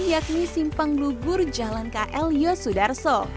yakni simpang lugur jalan kl yosudarso